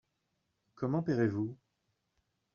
Comment payerez-vous ?